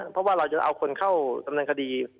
เพราะว่าเราจะเอาคนเข้าดำเนินคดี